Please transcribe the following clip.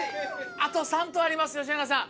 あと３投あります吉永さん